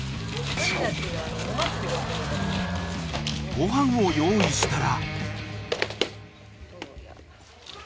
［ご飯を用意したら］